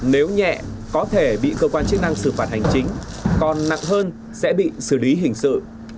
nếu nhẹ có thể bị cơ quan chức năng xử phạt hành chính còn nặng hơn sẽ bị xử lý hình sự